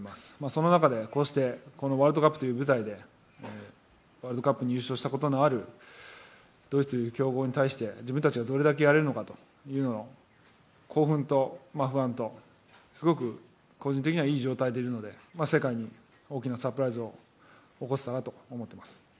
その中でこうしてワールドカップという舞台でワールドカップに優勝したことのあるドイツという強豪に対して自分たちがどれだけやれるのかというのを興奮と不安とすごく個人的には良い状態でいるので世界に大きなサプライズを起こせたらと思っています。